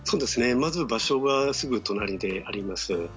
まず、場所がすぐ隣であります。